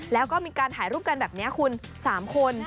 แล้วก็มีการถ่ายรูปกันแบบนี้คุณ๓คน